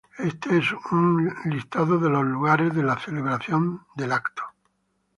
Éste es un listado de los lugares de celebración del evento.